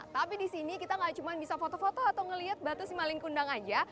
tapi di sini kita tidak cuma bisa foto foto atau melihat batu si maling kundang saja